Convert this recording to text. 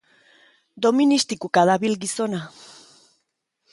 Doministikuka dabil gizona